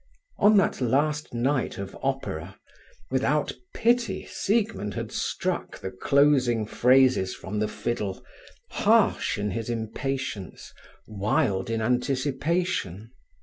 On that last night of opera, without pity Siegmund had struck the closing phrases from the fiddle, harsh in his impatience, wild in anticipation.